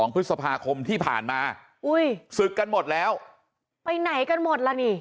พฤษภาคมที่ผ่านมาอุ้ยศึกกันหมดแล้วไปไหนกันหมดล่ะนี่